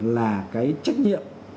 là cái trách nhiệm